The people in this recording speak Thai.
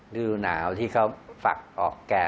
ฤดูหนาวที่เขาฝักออกแก่